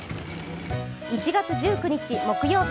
１月１９日木曜日。